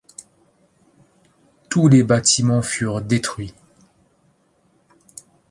Tous les bâtiments furent détruits.